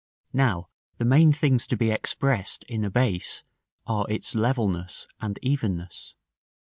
§ II. Now, the main things to be expressed in a base are its levelness and evenness.